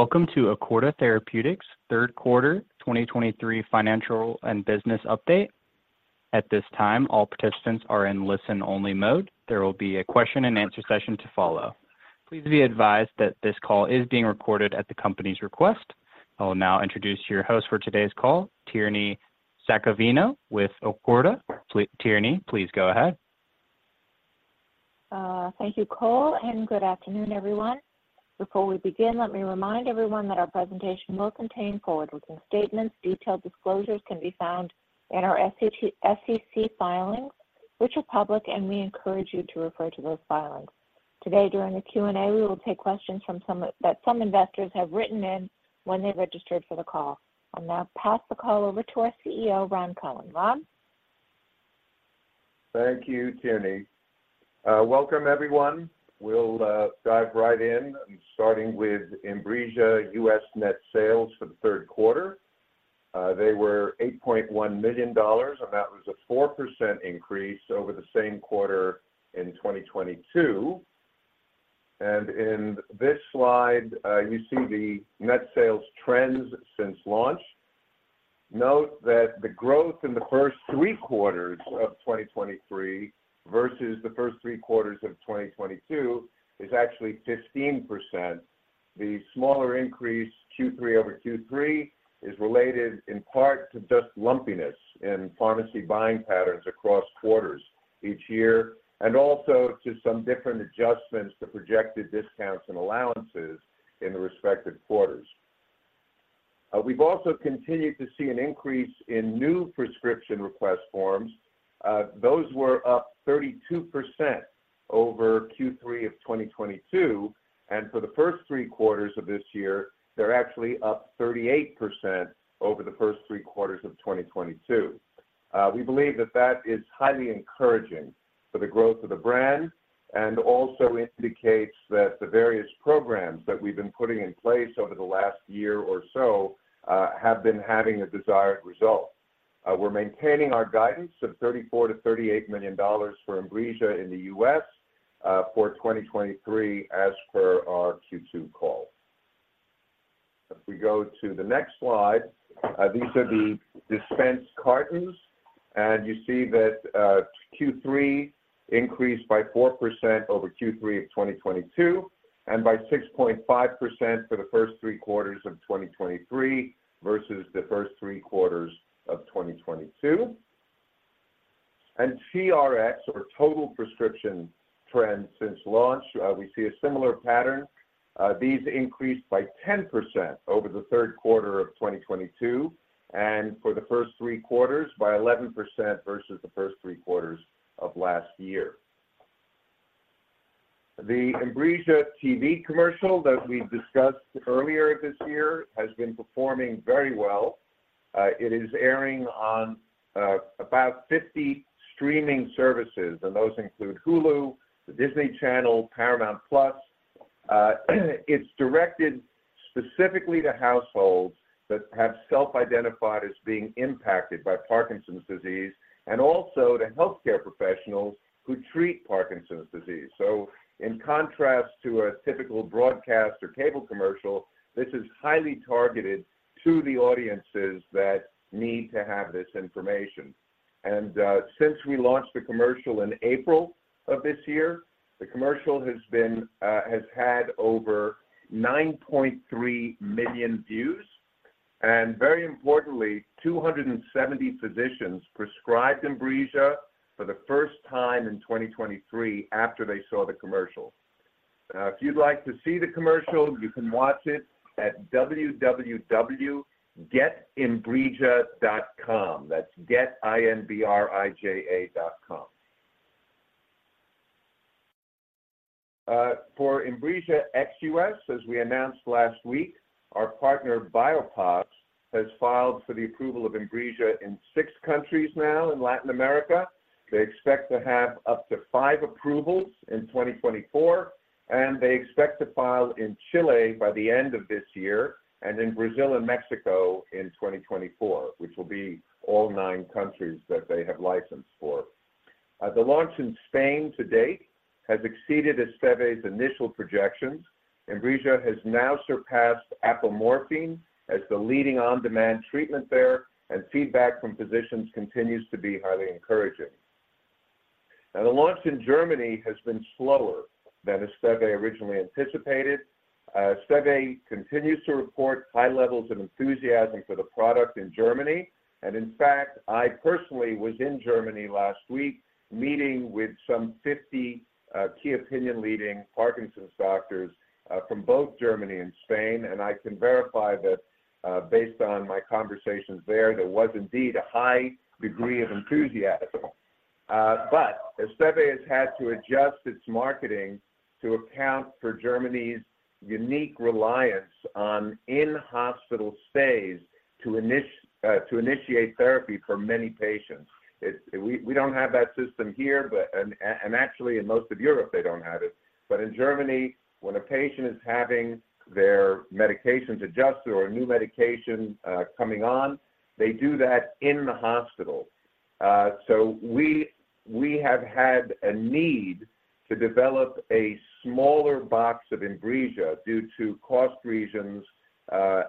Welcome to Acorda Therapeutics' third quarter 2023 financial and business update. At this time, all participants are in listen-only mode. There will be a question and answer session to follow. Please be advised that this call is being recorded at the company's request. I will now introduce your host for today's call, Tierney Saccavino, with Acorda. Tierney, please go ahead. Thank you, Cole, and good afternoon, everyone. Before we begin, let me remind everyone that our presentation will contain forward-looking statements. Detailed disclosures can be found in our SEC filings, which are public, and we encourage you to refer to those filings. Today, during the Q&A, we will take questions from some of that some investors have written in when they registered for the call. I'll now pass the call over to our CEO, Ron Cohen. Ron? Thank you, Tierney. Welcome, everyone. We'll dive right in, starting with Inbrija U.S. net sales for the third quarter. They were $8.1 million, and that was a 4% increase over the same quarter in 2022. In this slide, you see the net sales trends since launch. Note that the growth in the first three quarters of 2023 versus the first three quarters of 2022 is actually 15%. The smaller increase, Q3 over Q3, is related in part to just lumpiness in pharmacy buying patterns across quarters each year, and also to some different adjustments to projected discounts and allowances in the respective quarters. We've also continued to see an increase in new prescription request forms. Those were up 32% over Q3 of 2022, and for the first three quarters of this year, they're actually up 38% over the first three quarters of 2022. We believe that that is highly encouraging for the growth of the brand and also indicates that the various programs that we've been putting in place over the last year or so have been having the desired result. We're maintaining our guidance of $34 million-$38 million for Inbrija in the U.S. for 2023, as per our Q2 call. If we go to the next slide, these are the dispensed cartons, and you see that Q3 increased by 4% over Q3 of 2022, and by 6.5% for the first three quarters of 2023 versus the first three quarters of 2022. TRx, or total prescription trends since launch, we see a similar pattern. These increased by 10% over the third quarter of 2022, and for the first three quarters, by 11% versus the first three quarters of last year. The Inbrija TV commercial that we discussed earlier this year has been performing very well. It is airing on about 50 streaming services, and those include Hulu, the Disney Channel, Paramount Plus. It's directed specifically to households that have self-identified as being impacted by Parkinson's disease and also to healthcare professionals who treat Parkinson's disease. So in contrast to a typical broadcast or cable commercial, this is highly targeted to the audiences that need to have this information. Since we launched the commercial in April of this year, the commercial has had over 9.3 million views, and very importantly, 270 physicians prescribed Inbrija for the first time in 2023 after they saw the commercial. If you'd like to see the commercial, you can watch it at www.getInbrija.com. That's Get I-N-B-R-I-J-A.com. For Inbrija ex U.S., as we announced last week, our partner, Biopas, has filed for the approval of Inbrija in six countries now in Latin America. They expect to have up to five approvals in 2024, and they expect to file in Chile by the end of this year and in Brazil and Mexico in 2024, which will be all nine countries that they have license for. The launch in Spain to date has exceeded Esteve's initial projections. Inbrija has now surpassed apomorphine as the leading on-demand treatment there, and feedback from physicians continues to be highly encouraging. Now, the launch in Germany has been slower than Esteve originally anticipated. Esteve continues to report high levels of enthusiasm for the product in Germany, and in fact, I personally was in Germany last week, meeting with some 50 key opinion leading Parkinson's doctors from both Germany and Spain, and I can verify that based on my conversations there, there was indeed a high degree of enthusiasm. But Esteve has had to adjust its marketing to account for Germany's unique reliance on in-hospital stays to initiate therapy for many patients. We don't have that system here, but actually, in most of Europe, they don't have it. But in Germany, when a patient is having their medications adjusted or a new medication coming on, they do that in the hospital. So we have had a need to develop a smaller box of Inbrija due to cost reasons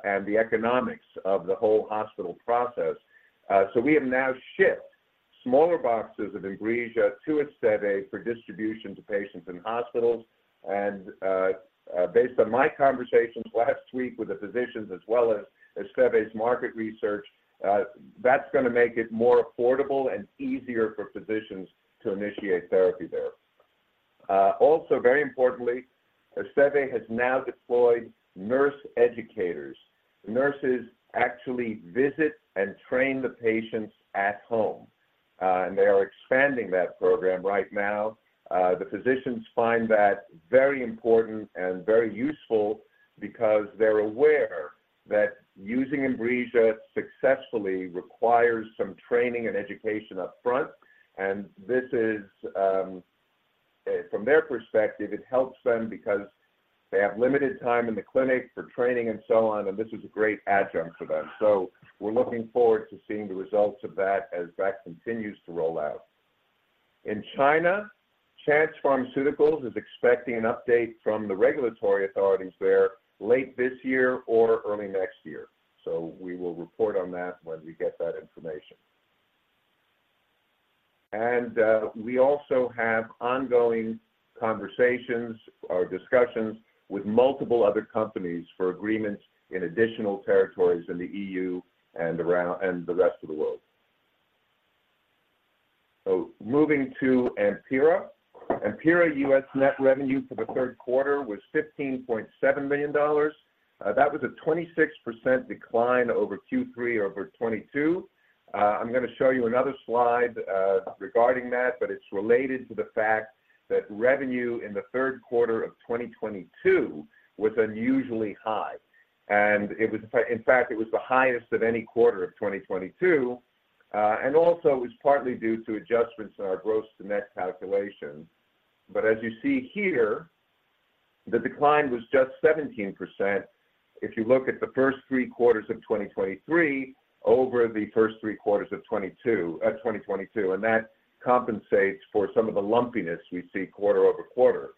and the economics of the whole hospital process. So we have now shipped smaller boxes of Inbrija to Esteve for distribution to patients in hospitals. Based on my conversations last week with the physicians, as well as Esteve's market research, that's going to make it more affordable and easier for physicians to initiate therapy there. Also, very importantly, Esteve has now deployed nurse educators. Nurses actually visit and train the patients at home, and they are expanding that program right now. The physicians find that very important and very useful because they're aware that using Inbrija successfully requires some training and education upfront, and this is, from their perspective, it helps them because they have limited time in the clinic for training and so on, and this is a great adjunct for them. So we're looking forward to seeing the results of that as that continues to roll out. In China, Chance Pharmaceuticals is expecting an update from the regulatory authorities there late this year or early next year. So we will report on that when we get that information. And, we also have ongoing conversations or discussions with multiple other companies for agreements in additional territories in the EU and around the rest of the world. So moving to AMPYRA. AMPYRA U.S. net revenue for the third quarter was $15.7 million. That was a 26% decline over Q3 over 2022. I'm going to show you another slide, regarding that, but it's related to the fact that revenue in the third quarter of 2022 was unusually high, and it was, in fact, it was the highest of any quarter of 2022, and also was partly due to adjustments in our gross to net calculations. But as you see here, the decline was just 17% if you look at the first three quarters of 2023 over the first three quarters of 2022, 2022, and that compensates for some of the lumpiness we see quarter-over-quarter.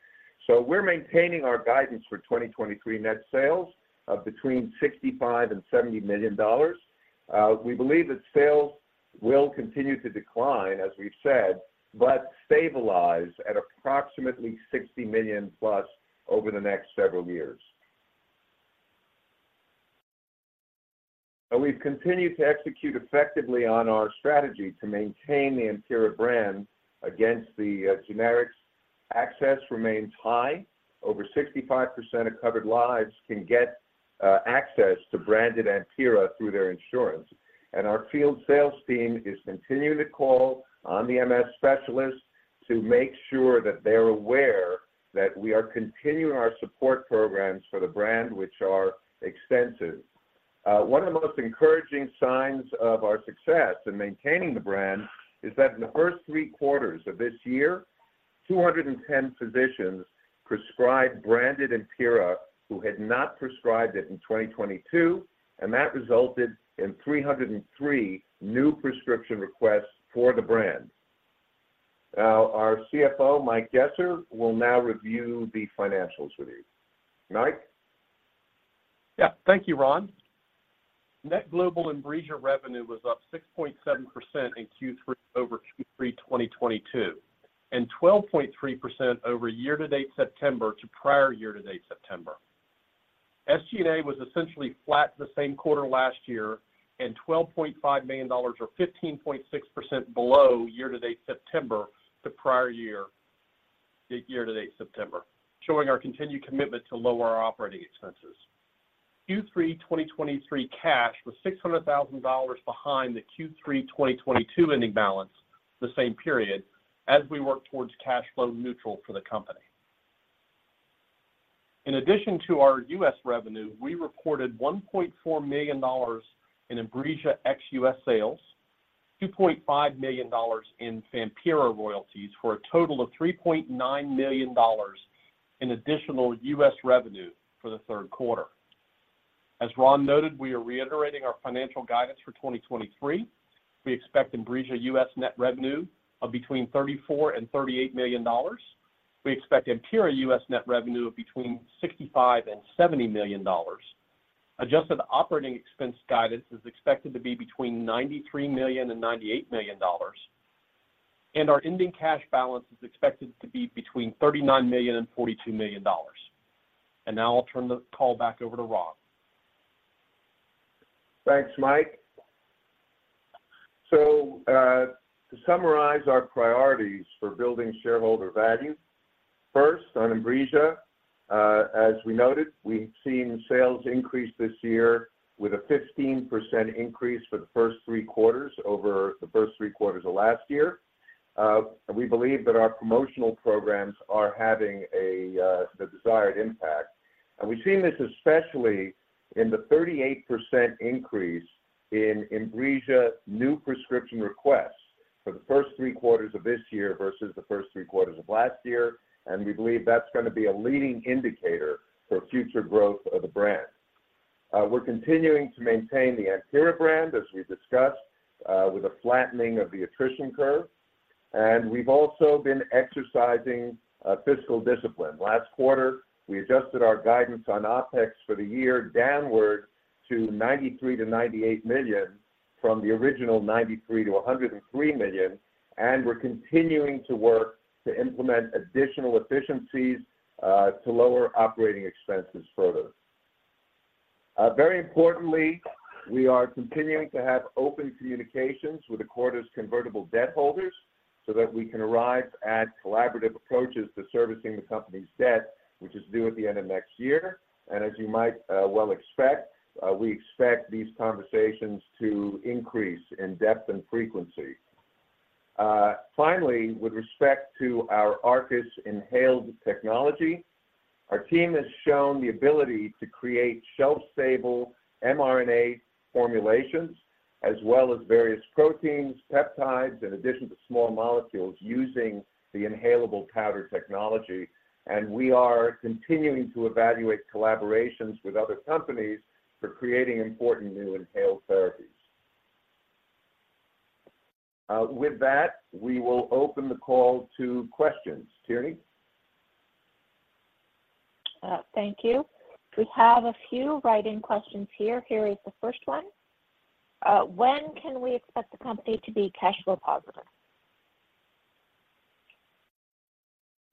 So we're maintaining our guidance for 2023 net sales of between $65 million and $70 million. We believe that sales will continue to decline, as we've said, but stabilize at approximately $60 million plus over the next several years. And we've continued to execute effectively on our strategy to maintain the AMPYRA brand against the, generics. Access remains high. Over 65% of covered lives can get, access to branded AMPYRA through their insurance. And our field sales team is continuing to call on the MS specialists to make sure that they're aware that we are continuing our support programs for the brand, which are extensive. One of the most encouraging signs of our success in maintaining the brand is that in the first three quarters of this year, 210 physicians prescribed branded AMPYRA who had not prescribed it in 2022, and that resulted in 303 new prescription requests for the brand. Now, our CFO, Mike Gesser, will now review the financials with you. Mike? Yeah. Thank you, Ron. Net global Inbrija revenue was up 6.7% in Q3 over Q3 2022, and 12.3% over year-to-date September to prior year-to-date September. SG&A was essentially flat the same quarter last year, and $12.5 million or 15.6% below year-to-date September to prior year, year-to-date September, showing our continued commitment to lower our operating expenses. Q3 2023 cash was $600,000 behind the Q3 2022 ending balance, the same period, as we work towards cash flow neutral for the company. In addition to our U.S. revenue, we reported $1.4 million in Inbrija ex-U.S. sales, $2.5 million in AMPYRA royalties, for a total of $3.9 million in additional U.S. revenue for the third quarter. As Ron noted, we are reiterating our financial guidance for 2023. We expect Inbrija US net revenue of between $34 million and $38 million. We expect AMPYRA US net revenue of between $65 million and $70 million. Adjusted operating expense guidance is expected to be between $93 million and $98 million, and our ending cash balance is expected to be between $39 million and $42 million. Now I'll turn the call back over to Ron. Thanks, Mike. To summarize our priorities for building shareholder value, first, on Inbrija, as we noted, we've seen sales increase this year with a 15% increase for the first three quarters over the first three quarters of last year. And we believe that our promotional programs are having the desired impact. And we've seen this especially in the 38% increase in Inbrija new prescription requests for the first three quarters of this year versus the first three quarters of last year, and we believe that's going to be a leading indicator for future growth of the brand. We're continuing to maintain the AMPYRA brand, as we discussed, with a flattening of the attrition curve, and we've also been exercising fiscal discipline. Last quarter, we adjusted our guidance on OpEx for the year downward to $93 million-$98 million from the original $93 million-$103 million, and we're continuing to work to implement additional efficiencies to lower operating expenses further. Very importantly, we are continuing to have open communications with Acorda's convertible debt holders so that we can arrive at collaborative approaches to servicing the company's debt, which is due at the end of next year. As you might well expect, we expect these conversations to increase in depth and frequency. Finally, with respect to our ARCUS inhaled technology, our team has shown the ability to create shelf-stable mRNA formulations, as well as various proteins, peptides, in addition to small molecules using the inhalable powder technology, and we are continuing to evaluate collaborations with other companies for creating important new inhaled therapies. With that, we will open the call to questions. Tierney? Thank you. We have a few write-in questions here. Here is the first one. When can we expect the company to be cash flow positive?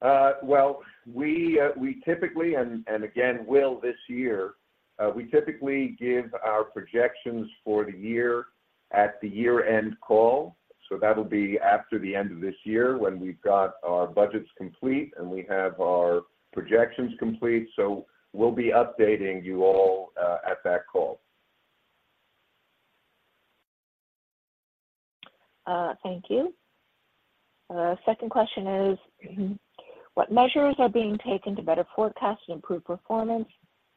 Well, we typically, and again, will this year, we typically give our projections for the year at the year-end call, so that'll be after the end of this year when we've got our budgets complete, and we have our projections complete. So we'll be updating you all at that call. Thank you. Second question is, "What measures are being taken to better forecast and improve performance?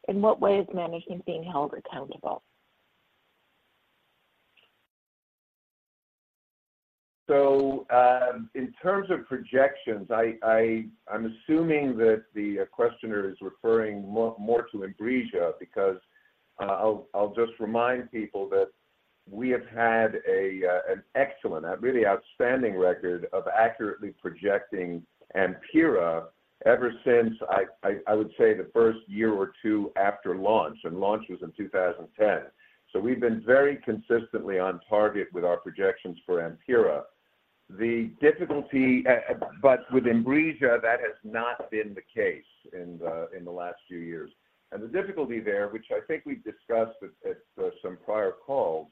In what way is management being held accountable? So, in terms of projections, I'm assuming that the questioner is referring more to Inbrija because I'll just remind people that we have had an excellent, a really outstanding record of accurately projecting AMPYRA ever since I would say the first year or two after launch, and launch was in 2010. So we've been very consistently on target with our projections for AMPYRA. The difficulty, but with Inbrija, that has not been the case in the last few years. And the difficulty there, which I think we've discussed at some prior calls,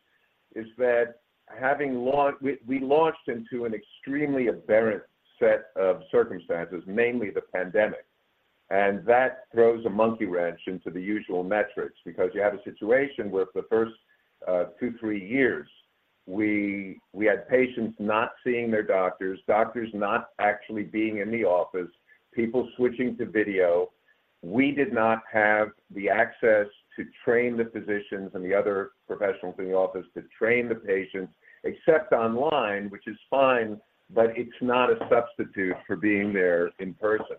is that having launch... We launched into an extremely aberrant set of circumstances, mainly the pandemic, and that throws a monkey wrench into the usual metrics because you have a situation where for the first 2, 3 years, we had patients not seeing their doctors, doctors not actually being in the office, people switching to video. We did not have the access to train the physicians and the other professionals in the office to train the patients, except online, which is fine, but it's not a substitute for being there in person.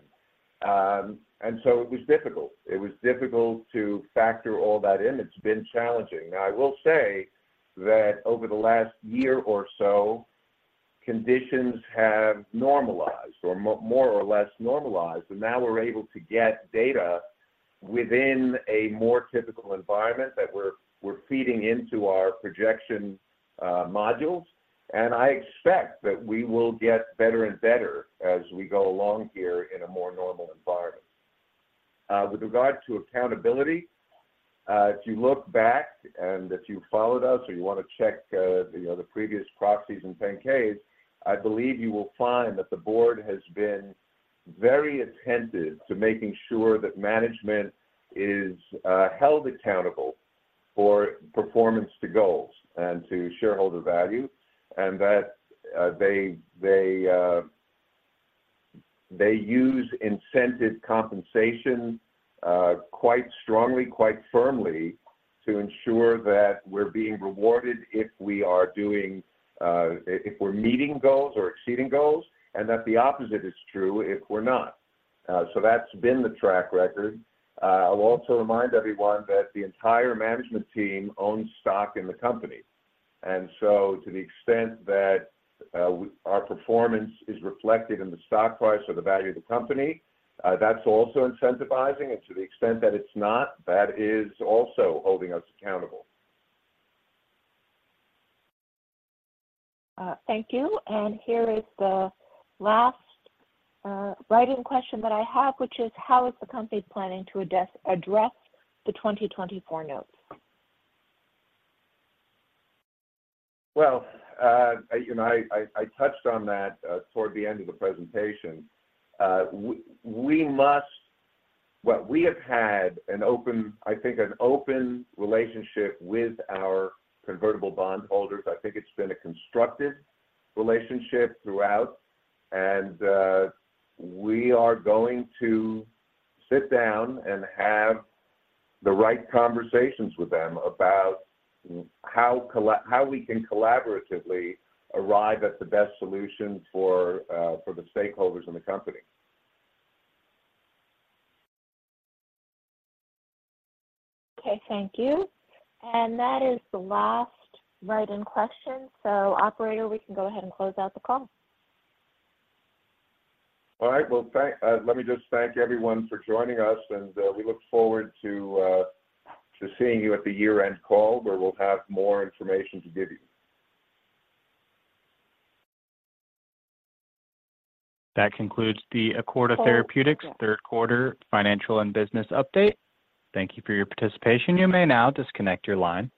So it was difficult. It was difficult to factor all that in. It's been challenging. Now, I will say that over the last year or so, conditions have normalized or more or less normalized, and now we're able to get data within a more typical environment that we're feeding into our projection modules, and I expect that we will get better and better as we go along here in a more normal environment. With regard to accountability, if you look back and if you followed us or you want to check, you know, the previous proxies and 10-Ks, I believe you will find that the board has been very attentive to making sure that management is held accountable for performance to goals and to shareholder value, and that they use incentive compensation quite strongly, quite firmly to ensure that we're being rewarded if we're meeting goals or exceeding goals, and that the opposite is true if we're not. So that's been the track record. I'll also remind everyone that the entire management team owns stock in the company, and so to the extent that our performance is reflected in the stock price or the value of the company, that's also incentivizing, and to the extent that it's not, that is also holding us accountable. Thank you. Here is the last write-in question that I have, which is: How is the company planning to address the 2024 notes? Well, you know, I touched on that toward the end of the presentation. Well, we have had an open, I think, an open relationship with our convertible bondholders. I think it's been a constructive relationship throughout, and we are going to sit down and have the right conversations with them about how we can collaboratively arrive at the best solution for the stakeholders in the company. Okay, thank you. That is the last write-in question, so operator, we can go ahead and close out the call. All right. Well, let me just thank everyone for joining us, and we look forward to seeing you at the year-end call, where we'll have more information to give you. That concludes the Acorda Therapeutics third quarter financial and business update. Thank you for your participation. You may now disconnect your line.